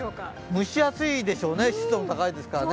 蒸し暑いでしょうね、湿度も高いですからね。